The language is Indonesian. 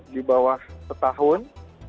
di bawah setahun